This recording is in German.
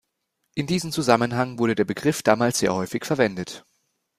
In diesem Zusammenhang wurde der Begriff damals sehr häufig verwendet.